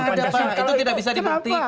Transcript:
tidak ada pak itu tidak bisa dibuktikan